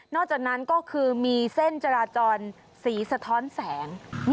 จากนั้นก็คือมีเส้นจราจรสีสะท้อนแสง